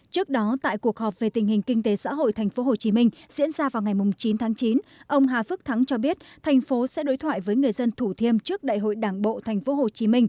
trước đó tại cuộc họp về tình hình kinh tế xã hội tp hcm diễn ra vào ngày chín tháng chín ông hà phước thắng cho biết thành phố sẽ đối thoại với người dân thủ thiêm trước đại hội đảng bộ tp hcm